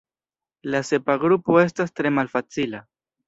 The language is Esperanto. La sepa grupo estas tre malfacila.